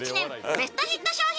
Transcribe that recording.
ベストヒット商品